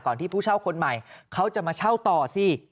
ที่ผู้เช่าคนใหม่เขาจะมาเช่าต่อสิ